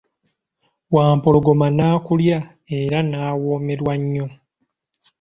Wampologoma nakulya era nawomerwa nnyo.